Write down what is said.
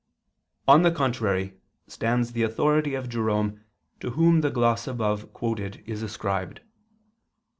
On the contrary, stands the authority of Jerome to whom the gloss above quoted is ascribed.